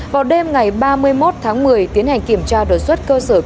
vào đêm ngày ba mươi một tháng một mươi tiến hành kiểm tra đột xuất cơ sở kinh doanh